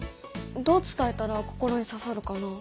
どう伝えたら心にささるかな？